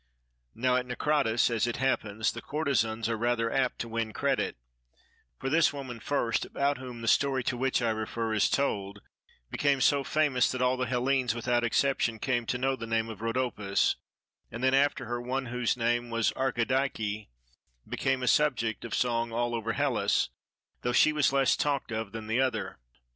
Now at Naucratis, as it happens, the courtesans are rather apt to win credit; for this woman first, about whom the story to which I refer is told, became so famous that all the Hellenes without exception came to know the name of Rhodopis, and then after her one whose name was Archidiche became a subject of song all over Hellas, though she was less talked of than the other.